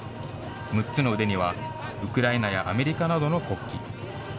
６つの腕には、ウクライナやアメリカなどの国旗。